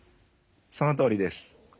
そのとおりです。